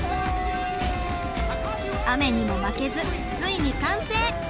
雨にも負けずついに完成。